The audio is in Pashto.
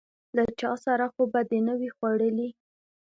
_له چا سره خو به دي نه و ي خوړلي؟